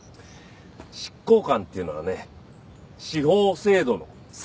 執行官っていうのはね司法制度の最後の砦よ。